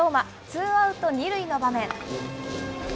ツーアウト２塁の場面。